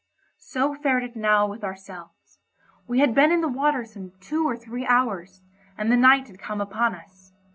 So fared it now with ourselves. We had been in the water some two or three hours, and the night had come upon us.